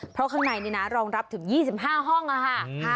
เพราะข้างในนี่นะรองรับถึง๒๕ห้องค่ะ